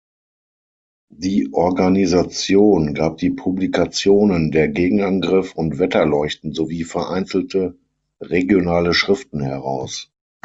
Die Organisation gab die Publikationen "Der Gegenangriff" und "Wetterleuchten" sowie vereinzelte regionale Schriften heraus.